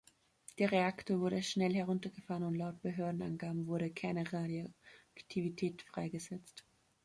Der Reaktor wurde schnell heruntergefahren und laut Behördenangaben wurde keine Radioaktivität freigesetzt.